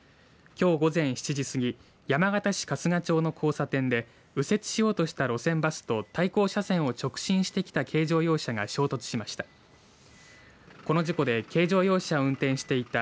きょう午前７時過ぎ山形市春日町の交差点で右折しようとした路線バスと対向車線を直進してきた軽乗用車が衝突しました。